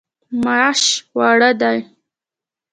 ماش واړه دي.